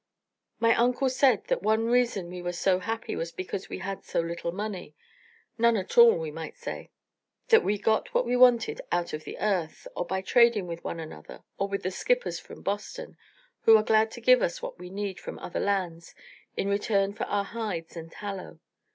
My uncle said that one reason we were so happy was because we had so little money none at all, we might say. That we got what we wanted out of the earth, or by trading with one another or with the skippers from Boston, who are glad to give us what we need from other lands in return for our hides and tallow.